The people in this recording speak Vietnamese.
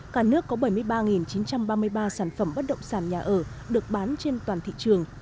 cả nước có bảy mươi ba chín trăm ba mươi ba sản phẩm bất động sản nhà ở được bán trên toàn thị trường